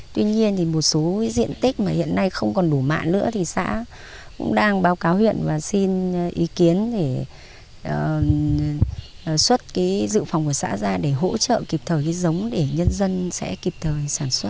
tuy nhiên thì một số diện tích mà hiện nay không còn đủ mạ nữa thì xã cũng đang báo cáo huyện và xin ý kiến để xuất cái dự phòng của xã ra để hỗ trợ kịp thời cái giống để nhân dân sẽ kịp thời sản xuất